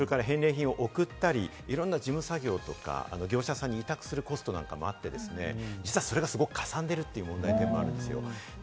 返礼品を送ったり、いろんな事務作業とか、業者さんに委託するコストなんかもあってですね、それがすごくかさんでいるという問題でもあるんですよ。